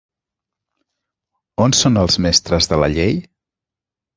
On són els mestres de la Llei?